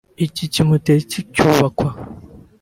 Iki kimpoteri kicyubakwa